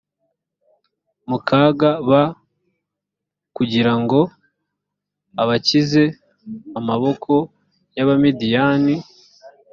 mu kaga b kugira ngo abakize amaboko y abamidiyani